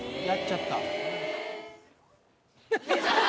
やっちゃった。